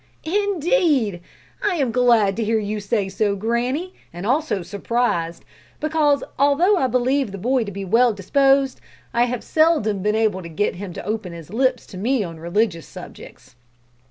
"Indeed! I am glad to hear you say so, granny, and also surprised, because, although I believe the boy to be well disposed, I have seldom been able to get him to open his lips to me on religious subjects."